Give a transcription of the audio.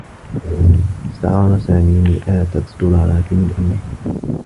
استعار سامي مئات الدّولارات من أمّه.